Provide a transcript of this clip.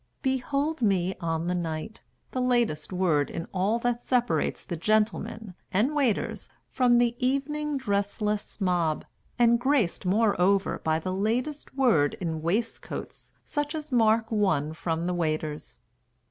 Behold me on the night, the latest word In all that separates the gentleman (And waiters) from the evening dress less mob, And graced, moreover, by the latest word In waistcoats such as mark one from the waiters.